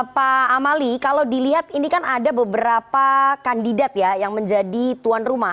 pak amali kalau dilihat ini kan ada beberapa kandidat ya yang menjadi tuan rumah